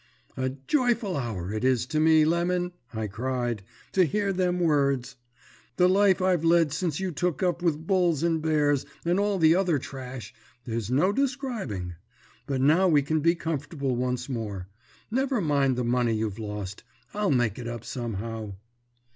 "'A joyful hour it is to me. Lemon,' I cried, 'to hear them words. The life I've led since you took up with Bulls and Bears and all the other trash, there's no describing. But now we can be comfortable once more. Never mind the money you've lost; I'll make it up somehow.'